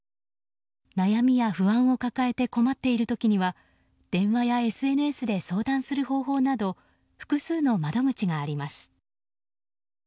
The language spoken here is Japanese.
悩みや不安を抱えて困っている時には電話やＳＮＳで相談する方法など複数の窓口があります。